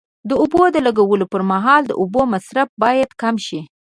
د اوبو د لګولو پر مهال د اوبو مصرف باید کم شي.